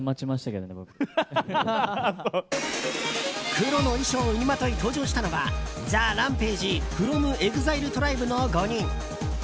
黒の衣装を身にまとい登場したのはＴＨＥＲＡＭＰＡＧＥｆｒｏｍＥＸＩＬＥＴＲＩＢＥの５人。